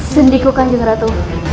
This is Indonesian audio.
sendiku kanjeng ratu